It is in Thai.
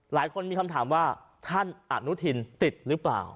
หลายคนมีคำถามว่าท่านอนุทินติดหรือเปล่า